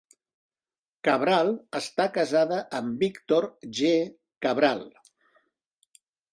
Cabral està casada amb Víctor G. Cabral.